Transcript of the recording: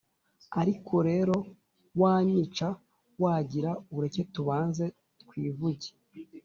ariko rero wanyica wagira, ureke tubanze twivuge,